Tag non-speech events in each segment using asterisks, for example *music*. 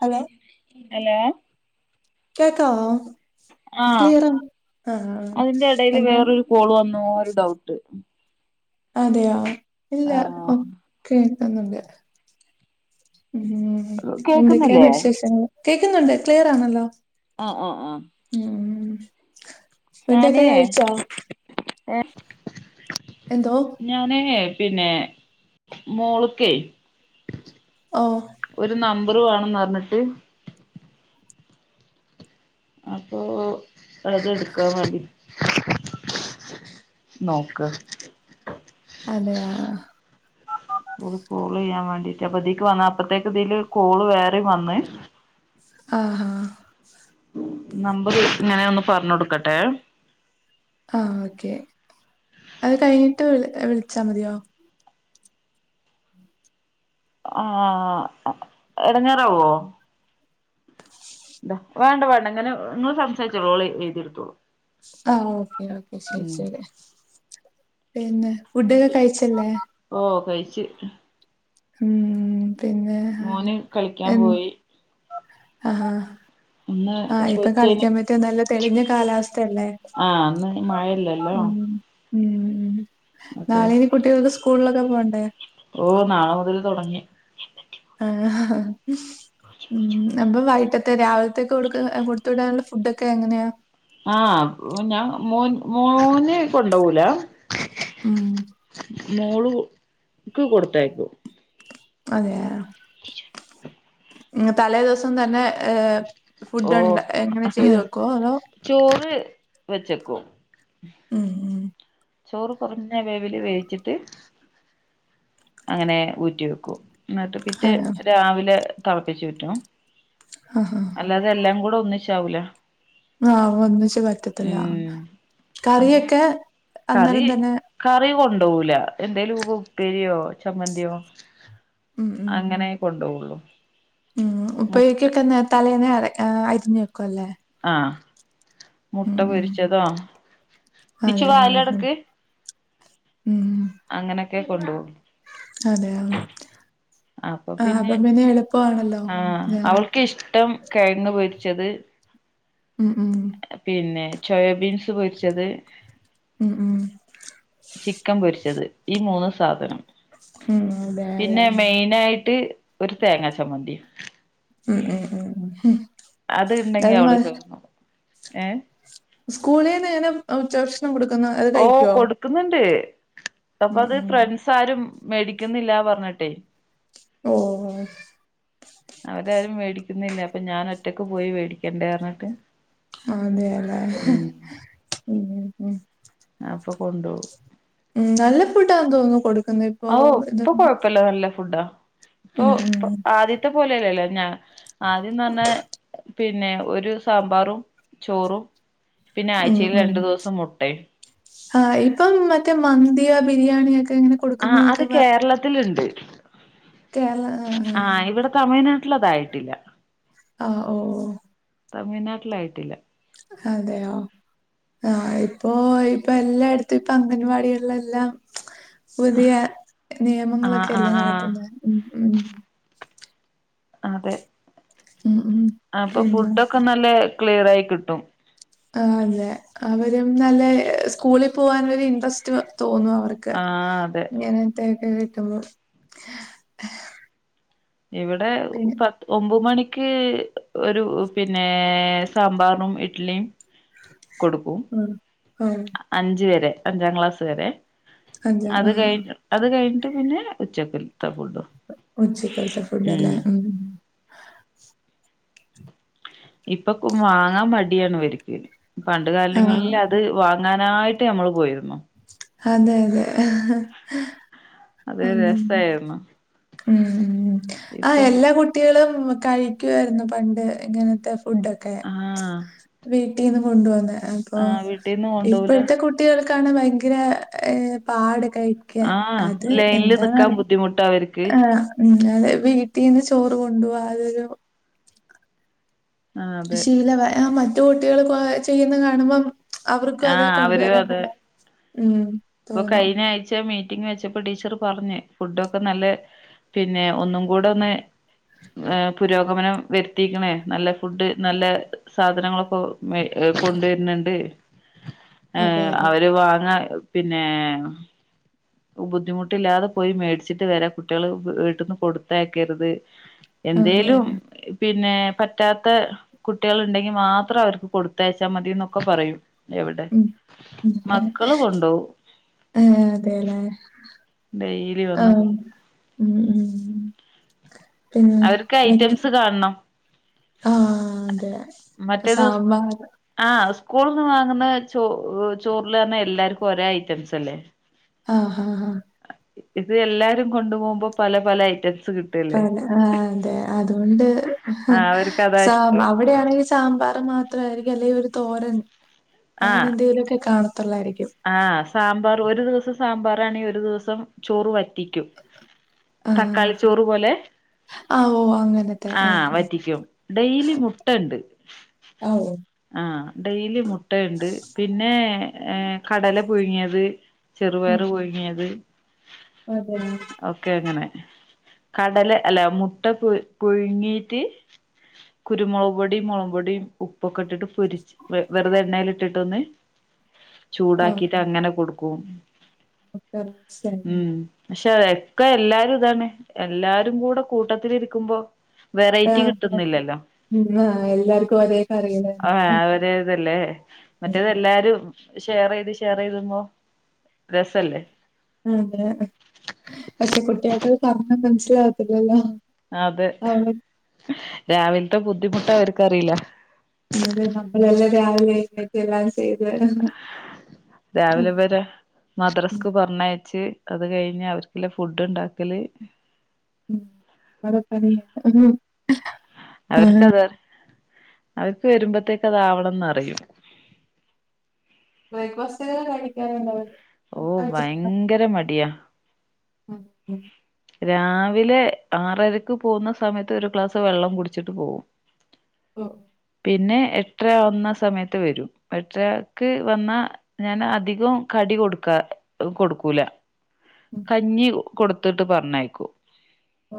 Hello hello കേക്കാവൊ ക്ലിയറ അതിന്റെ എടയില് വേറൊരു കോള് വന്നൊ ഒരു ഡൗട്ട് അതെയോ ഇല്ല ആഹ് ഒക്കെ ക്ന്ന്ണ്ട് ഉം എന്തെക്കെണ് കേക്കുന്നില്ലേ വിശേഷങ്ങള് കേക്കുന്നുണ്ട് ക്ലിയർ ആണല്ലോ ആ ആ ആ ഫുടൊക്കെ കഴിച്ചോ ഏ എന്തോ ഞാനേ പിന്നെ മോള്ക്കെ ഓ ഒരു നം മ്പറ് വേണംന്നർഞ്ഞിട്ട് അപ്പൊ അതെട്ക്കാ മാണ്ടി നോക്ക് അതെ അ ആ ഒരു കോളെയ്യാൻ വേണ്ടീട്ട് അപ്പതീക്ക് വന്ന അപ്പത്തേക്ക്തീല് കോള് വേറിം വന്ന് അ ഹാ നമ്പറ് ങ്ങനെ ഒന്ന് പർഞ്ഞൊട്ക്കട്ടേ ആ ഓക്കെ അത് കയ്ഞ്ട്ട് വി വിൾച്ചാ മതിയോ ആ എടങ്ങേറാവോ ന്താ വേണ്ട വേണ്ട ങ്ങനെ ങ്ങള് സംസാരിച്ചോളൂ ഓള്യ്യ്ട്ട് ആ ഓക്കേ ഓക്കേ ശരി ശരി പിന്നെ ഫുഡൊക്കെ കഴിച്ചല്ലേ ഓ കഴിച്ച് ഉം പിന്നേ മോന് കളിക്കാൻ എൻ പോയി ആ ഇന്ന് ആ ഇപ്പ കൊച്ചേന് കളിക്കാൻ പറ്റിയ നല്ല തെളിഞ്ഞ കാലാവസ് തന്നെ ആഹ് ഇന്ന് മഴയില്ലല്ലോ ഉം ഉം ഉം അപ്പൊ നാളെയിനി കുട്ടികൾക്ക് സ്കൂൾലൊക്കെ പോണ്ടേ ഓ നാളെ മൊതല് തൊടങ്ങി ആ ഹ് ഉം അപ്പ വൈട്ടത്തെ രാവിൽത്തേക്ക് കൊടുക്കുന്ന അ കൊടുത്തു വിടാനുള്ള ഫുഡൊക്കെ എങ്ങനെയാ ആ ഞാ മോൻ മോന് കൊണ്ടോവൂല ഉം മോളു ക്ക് കൊടുത്തയ്ക്കും അതെയാ നീ ചോയ് തലേദിവസം തന്നെ ഏഹ് ഓ ഫുഡൊണ്ട് എങ്ങനെ ചെയ്തു വെക്കോ അതോ വെച്ചെക്കോ ഉം ഉം ചോറ് കൊറഞ്ഞ വേവില് വേവിച്ച്ട്ട് അങ്ങനേ ഊറ്റി വെക്കും എന്നട്ട് പിറ്റേ അതെ രാവിലെ തെൾപ്പിച്ചൂറ്റും ആഹ് അല്ലാതെ എല്ലാം കൂടെ ഒന്നിച്ചാവൂല ആ ഒന്നിച്ച് പറ്റത്തില്ല ഉം അങ്ങനെ കറിയൊക്കെ അന്നേരം തന്നെ ണ്ടോവൂല എന്തേലും ഉ ഉപ്പേരിയോ ചമ്മന്തിയോ ഉം ഉം അങ്ങനേ കൊണ്ടോവൊള്ളു ഉം ഉപ്പേരിക്കൊക്കെ നേ തലേന്നേ അരക് ഏ അരിഞ്ഞ് വെക്കും അല്ലേ ആ മുട്ട ഉം. പൊരിച്ചതോ നിച്ചു അതെ ആഹ് വാതില് ഉം അടക്ക് അങ്ങനൊക്കെ കൊണ്ടോവും അതെആ അപ്പ പിന്നെ ആ ഞാൻ അവൾക്കിഷ്ടം കെഴങ്ങ് പൊരി ച്ചത് ഉം ഉം പിന്നേ ചോയാ ബീൻസ് പൊരിച്ചത് ഉം ഉം ചിക്കൻ പൊരിച്ചത് ഈ മൂന്ന് സാധനം ഉം അതെല്ലേ പിന്നെ മെയ്നായിട്ട് ഒരു തേങ്ങാ ചമ്മന്തി ഉം ഉം ഉം ഹും അത് ഇണ്ടെങ്കി അവള് ചോറ്ന്നും ഏ സ്കൂളീന്ന് ഞാന് ഉച്ചഭക്ഷ ഓ കൊടുക്ക്ന്ന്ണ്ട് ഉം അപ്പത് ഉം ഫ്രൺസാരും മേടിക്കുന്നില്ലാ പറഞ്ട്ടെ ഓ അവരാരും മേടിക്കുന്നില്ല അപ്പൊ ഞാനൊറ്റക്ക് പോയി വേടിക്കണ്ടേ അറഞ്ഞട്ട് അതേല്ലേ ഉം ഉം ഉം അപ്പ കൊണ്ടൂ ഉം നല്ല ഫുഡാന്ന് തോന്നു കൊടുക് ഔ ഇപ്പ കൊഴപ്പല്ല നല്ല ഫുഡാ ഇപ്പോ ഉം ഉം പോ ആദ്യത്തെ പോലേല്ലല്ലേ ഞാ ആദ്യംന്നറഞ്ഞാ പിന്നെ ഒരു സാമ്പാറും ചോറും പിന്നെ ആഴ്ചൽ രണ്ടു ദിവസം മുട്ടയും ആഹ ഇപ്പം മറ്റേ മന്തിയോ ബിരിയാണിയൊക്കെ എങ്ങനെ കൊടുക്കുന്ന എന്നൊക്കെ പറഞ്ഞ ആഹ ഇവിടെ തമിഴ്നാട്ടില അതായിട്ടില്ല ആഹ ഓ ഓ തമിഴ്നാട്ടിലായിട്ടില്ല അതെയോ ആ ഇപ്പൊ ഇപ്പൊ എല്ലായിടത്തും ഇപ്പൊ അംഗൻവാടികില എല്ലാം പുതിയ ആഹ് നിയമങ്ങളൊക്കെ അല്ലേ ആഹ് ആഹ് നടത്തുന്നത് ഉ ഉ അതെ ഉം ഉം അപ്പൊ പിന്നെ ഫുഡൊക്കെ നല്ല ക്ലിയർ ആയി കിട്ടും ആ അതെ അവരും നല്ല സ്കൂളിൽ പോവാൻ ഒരു ഇൻട്രസ്റ്റ് തോന്നും അവർക്ക് ആഹ് അതെ ഇങ്ങനത്തൊക്കെ കിട്ട്പോ ഇവിടെ പത്ത് ഒമ്പ മണിക്ക് ഒരു പിന്നെ സാമ്പാറും ഇഡ്ലിയും കൊടുക്കും ഉം ആഹ് അഞ്ച വരെ അഞ്ചാം ക്ലാസ് വരെ അതെ അത് ആഹ് കഴി അത് കഴിഞ്ഞിട്ട് പിന്നെ ഉച്ചക്കുല്ല ഉച്ചക്കാലത്തെ ഫുഡ്ല്ല ഉം ഉ ഇപ്പൊ വാങ്ങാൻ മടിയാണ് വരിക്ക പണ്ട് ആഹ് കാലങ്ങളിൽ അത് അങ്ങാനായിട്ട് നമ്മൾ പോയിരുന്നു അതെ അതെ അത് ഉ രസായിരുന്നു ഉ ആ ഇപ്പം എല്ലാ കുട്ടികളും കഴിക്കുവായിരുന്നു പണ്ട് ഇങ്ങനത്തെ ഫുഡൊക്കെ ആഹ് വീട്ടിൽ നിന്ന് കൊണ്ട പോന്ന് അപ്പൊ ആഹ് വീട്ടീന്ന് കൊണ്ടോവൂല ഇപ്പോഴത്തെ കുട്ടികൾ കാണാൻ ഭയങ്കര പാട കഴിക്ക അത് ലൈനിൽ നിൽാൻ ബുദ്ധിമുട്ട് അവക്ക് ആഹതെ വീട്ടിൽന്ന് ചോറ് കൊണ്ടുപോവാ അതൊരു ആഹ് അതെ ശീല വ മറ്റു കുട്ടികൾ ചെയ്യുന്ന കാണുമ്പം അവർക്കും അത് ആഹ് കൊണ്ടുവരാൻ തന്നെ ഉം അപ്പൊ തോന്നും കഴിഞ്ഞ ആഴ്ച മീ ി വെച്ചപ്പോ ടീച്ചർ പറഞ്ഞു ഫുഡ ഒക്കെ നല്ല പിന്നെ ഒന്നും കൂടെ ഒന്ന് പുരോഗമനം വരുത്തിയിക്കണേ നല്ല ഫുഡ് നല്ല സാധനങ്ങളൊക്കെ കൊണ്ടുവരരുന്നുണ്ട് ഏർ അതെല്ലേ അവര് വാങ്ങ പിന്നെ ബുദ്ധിമുട്ടില്ലാതെ പോയി മേടിച്ചിട്ട് വരാ കുട്ടികൾ വീട്ടിൽന്ന് കൊടുത്തയക്കരുത് ആ അതെ എന്തേലും പിന്നെ പറ്റാത്ത കുട്ടികൾ ഉണ്ടെങ്കി മാത്രം അവർക്ക് കൊടുത്തയച്ചാൽ മതി എന്നൊക്കെ പറയും എവിടെ ഉം, ഉം. മക്കള് കൊണ്ടോ ആഹ കൊണ്ടു ഉ ഉ അവർക്ക് ഐറ്റംസ് കാണണം ആഹ അതെ സാമ്പാർ സ്കൂളിൽ നിന്ന് വാങ്ങുന്ന ചോ ചോറിില തന്ന എല്ലാർക്കും ഒരേ ഐറ്റംസ് അല്ലേ ആഹ് ആഹ് ഇത് എല്ലാരും കൊണ്ടു പോോകുമ്പോ പല പല ഐറ്റംസ് കിട്ടല്ലേ പറ ആ അതെ അതുകൊണ്ട് ആ അവർക്ക് അതാ സാ ഇഷ്ടം അവിടെയാണെങ്കിൽ സാമ്പാർ മാത്രാരിക്കും അല്ലെങ്കി ഒരു തോരൻ ആ അങ്ങനെ എന്തേലൊക്കെ കാണും. ആഹ് സാമ്പാർ ഒരു ദിവസം സാമ്പാറാണേ ഒരു ദിവസം ചോറ് വ റ്റിക്കും ആഹ് തക്കാളി ചോറ് പോലെ ആഹ് ഓ അങ്ങനത്തെ ആഹ് വറ്റിക്കും ഡെയിലി മുട്ടയുണ്ട്. ആഹ് ഓ ആഹ് ഡെയിലി മുട്ടയുണ്ട് പിന്നെ ഏഹ് കടല പുഴുങ്ങിയത് ചെറുപയർ പുഴുങ്ങിയത്. അതേ ഒക്കെ അങ്ങനെ കടല അല്ല മുട്ട പുഴുങ്ങീട്ട് കുരുമുളക് പൊടിയും മുളക് പൊടിയും ഉപ്പൊക്കെ ഇട്ടിട്ട് പൊരിച്ച് വെറുതെ എണ്ണേൽ ൽ ഇട്ടിട്ടൊന്ന് *unintelligible* ചൂടാക്കിട്ട് അങ്ങനെ കൊടുക്കും. *unintelligible* പക്ഷേ എക്കെ എല്ലാരും ഇതാണ് എല്ലാരും കൂടെ കൂട്ടത്തിലിരിക്കുമ്പോ വെറൈറ്റി കിട്ടുന്നില്ലല്ലോ. ആഹ് എല്ലാർക്കും ഒരേ കറികള് ആഹ് തന്നെ അവരതല്ലേ ഉം, മറ്റേതെല്ലാരും ഷെയർ ചെയ്ത് ഷെയർ ചെയ്തുമ്പോ രസല്ലേ അതെ പക്ഷേ കുട്ടികൾക്ക് അത് പറഞ്ഞാ മനസ്സിലാകത്തില്ലല്ലോ. അതെ രാവിലത്തെ ബുദ്ധിമുട്ട് അവർക്കറിയില്ല. അതെ നമ്മളെല്ലാം രാവിലെ എഴുന്നേറ്റ് എല്ലാം ചെയ്ത് രാവിലെ ഇവരെ മദ്രാസ്ക്ക് പറഞ്ഞയച്ച് അത് കഴിഞ്ഞ് അവർക്കിള്ള ഫുഡ് ഉണ്ടാക്കല് ഉം *unintelligible* അവർക്കത് അവരിക്ക് വരുമ്പോത്തേക്ക് അതാവണന്ന് അറിയും. ബ്രേക്ക്ഫാസ്റ്റൊക്കെ കഴിക്കാറുണ്ടോ അവര്? ഓ ഭയങ്കര മടിയാ. ഉം ഉം രാവിലെ ആറരക്ക് പോകുന്ന സമയത്ത് ഒരു ഗ്ലാസ് വെള്ളം കുടിച്ചിട്ട് പോവും. ഓ പിന്നെ എട്ടര ആവുന്ന സമയത്ത് വരും എട്ടരക്ക് വന്നാ ഞാൻ അധികം ക ടി കൊടുക്കാ കൊടുക്കൂല ഉം കഞ്ഞി കൊടുത്തിട്ട് പറഞ്ഞയക്കൂ. ആ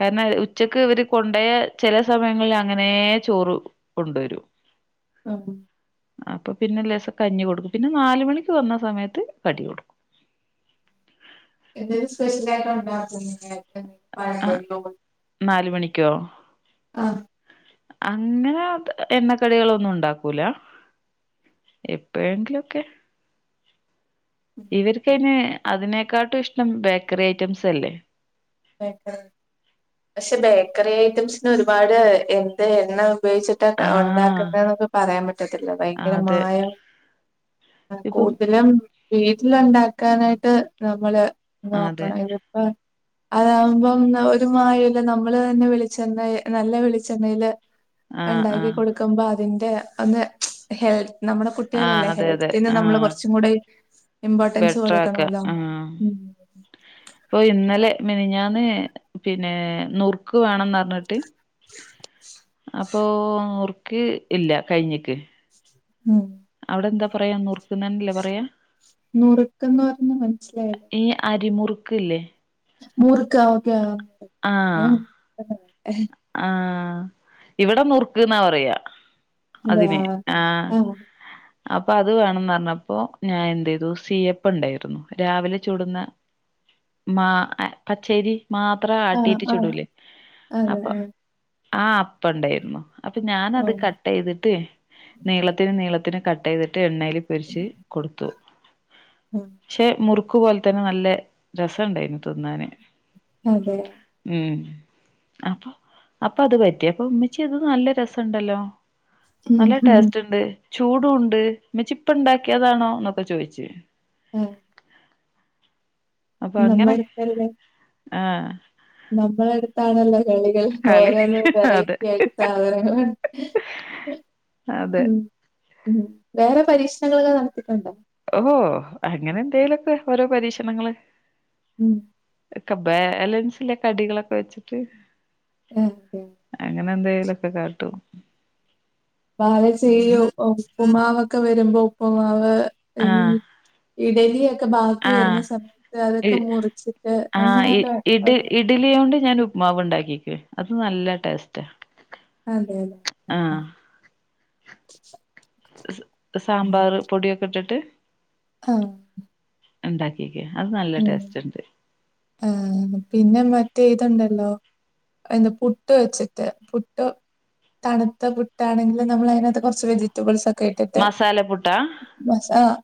കാരണം ഉച്ചക്ക് ഇവര് കൊണ്ടോയ ചില സമയങ്ങളിൽ അങ്ങനെ ചോറ് കൊണ്ടുവരും. ആ അപ്പോ പിന്നെ ലേസം കഞ്ഞി കൊടുക്കും പിന്നെ നാല് മണിക്ക് വന്ന സമയത്ത് കടി കൊടുക്കും. എന്തേലും സ്പെഷ്യലായിട്ട് ആ ഉണ്ടാക്കുവോ *unintelligible* നാല് മണിക്കോ *unintelligible* ആ അങ്ങനെ എണ്ണക്കടികളൊന്നും ഉണ്ടാക്കൂല. എപ്പഴെങ്കിലൊക്കെ. ഇവർക്കതിന് അതിനേക്കാട്ടും ഇഷ്ടം ബേക്കറി ഐറ്റംസ് അല്ലേ? പക്ഷേ ബേക്കറി ഐറ്റംസിന് ഒരുപാട് എന്ത് എണ്ണ ഉപയോഗിച്ചിട്ടാ ആഹ് ഉണ്ടാക്കുന്നേന്നൊക്കെ പറയാൻ പറ്റത്തില്ല ഭയങ്കര അതെ മായം ഇപ്പം കൂടുതലും വീട്ടില് ഉണ്ടാക്കാനായിട്ട് നമ്മള് അതെ നോക്കണം ഇതിപ്പോ അതാകുമ്പം ഒരു മായമില്ല നമ്മള് തന്നെ വിളിച്ചെണ്ണ നല്ല വെളിച്ചെണ്ണയില് ആഹ് ഇണ്ടാക്കി ആഹ് കൊടുക്കുമ്പോ അതിന്റെ ഒന്ന് ഹെൽത്ത് നമ്മുടെ ആഹ് കുട്ടികളല്ലേ അതെ അതെ ഹെൽത്തിന് നമ്മള് ആഹ് കുറച്ചും കൂടി ഇമ്പോർട്ടൻസ് ബെട്രാക്ക കൊടുക്കണല്ലോ ആഹ് ഉം ഇപ്പൊ ഇന്നലെ മെനിഞ്ഞന്ന് പിന്നെ നുറുക്ക് വേണംന്ന് പറഞ്ഞിട്ട് അപ്പൊ നറുക്ക് ഇല്ല കഴിഞ്ഞിക്ക് ഉം അവിടെ എന്താ പറയാ നോർക്കുന്നല്ലേ പറയാ നുറുക്കന്ന് പറഞ്ഞഞ് മനസ്സിലായില്ലോ അരിമുറുക്കല്ലേ മുർക്കഓക്കെ ആഹ ഇവിടെ നുറുക്കുന്നാ പറയാ അതെ അതിന് ആഹ ആഹ് അപ്പൊ അത് വേണംന്ന് പറഞ്ഞപ്പോ ഞാൻ എന്ത് ചെയ്തു സിയപ്പ ഉണ്ടായിരുന്നു രാവിലെ ചുടുന്ന മാ പച്ചേരി മാത്രം ആട്ടീട്ട് ചുടൂലേ അപ്പൊ ഊം ആ അപ്പ ഉണ്ടായിരുന്നു അപ്പൊ ഞാനത് ഉം കട്ട് ചെയ്തിട്ട് നീളത്തിന് നീളത്തിന് കട്ട് ചെയ്തിട്ട് എണ്ണയില് പൊരിച്ച് കൊടുത്തുെ. ഉം ഷേ മുറുക്ക് പോലെ തന്നെ നല്ല രസണ്ടായിരുന്ന് തിന്നാന് അതെ ഉം അപ്പൊ അപ്പൊ അത് പറ്റി അപ്പൊ ഉമ്മിച്ചി അത് നല്ല രസണ്ടല്ലോ നല്ല ഉം ടേസ്റ്റ് ഉണ്ട് ചൂടുംണ്ട് മ്ച്ചിപ്പ ഇണ്ടാക്കിയതാണോ എന്നൊക്കെ ചോയിച്ചു ആ നമ്മളട്ക്കല്ലേ ആഹ നമ്മളടുത്താണല്ലോ കളികൾ കളി ഓരോന്നു അതെ വെറൈറ്റി ആയിട്ട് സാധനങ്ങളു ഹ്ഹ അതെ ഉം ഉം വേറെ പരീക്ഷണങ്ങളൊക്കെ നടത്തീട്ടുണ്ടോ ഓഹോ അങ്ങനെ എന്തേലൊക്കെ ഓരോ പരീക്ഷണങ്ങള് ഉം ക്കെ ബാലൻസിലെ കടികളൊക്കെ വെച്ചിട്ട് ഉം ഹൂം അങ്ങന എന്തേലൊക്കെ കാട്ടും ബാലൻസ് ചെയ്യും ഉപ്പുമാവൊക്കെ വരുമ്പോ ഉപ്പുമാവ് ഈ ആഹ് ഇഡലിയൊക്കെ ബാക്കി ആഹ് വരുന്ന സമയത്ത് ഇ അതൊക്കെ മുറിച്ചിട്ട് ആഹ് ഇ അങ്ങനെയൊക്കെ അ ഇഡ് ഇഡ്ലിയോണ്ട് ഞാൻ ഉപ്മാവ് ഉണ്ടാക്കി അത് നല്ല ടേസ്റ്റാ അതെ അതെ ആ ആഹ് സാമ്പാർ പൊടിയൊക്കെ ഇട്ടിട്ട് ആഹ എന്താക്കി ഉ ആ പിന്നെ മറ്റേഇതുണ്ടല്ലോ എന്ത് പുട്ട് വെച്ചിട്ട് പുട്ട് തണുത്ത പുട്ടാണെങ്കിൽ നമ്മൾ അതിനകത്ത് കുറച്ച് വെജിറ്റബിൾസ് ക്കെ കേട്ടിട്ട് മസാല പുട്ടാ മസാ